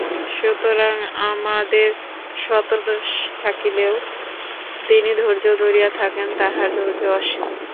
সুতরাং আমাদের শত দোষ থাকিলেও তিনি ধৈর্য ধরিয়া থাকেন, তাঁহার ধৈর্য অসীম।